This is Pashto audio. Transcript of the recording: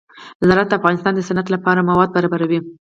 زراعت د افغانستان د صنعت لپاره مواد برابروي.